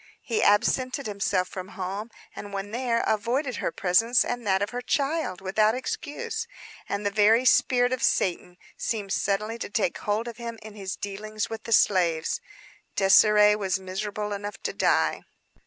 He absented himself from home; and when there, avoided her presence and that of her child, without excuse. And the very spirit of Satan seemed suddenly to take hold of him in his dealings with the slaves. Désirée was miserable enough to die.